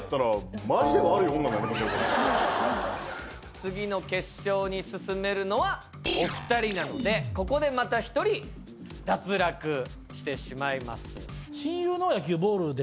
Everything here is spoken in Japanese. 次の決勝に進めるのはお２人なのでここでまた１人脱落してしまいます。